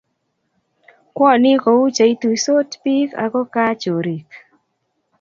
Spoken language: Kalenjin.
kwoni kou cheituisot biik ako kaa chorik.